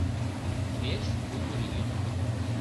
— Пеш умыр йӱд.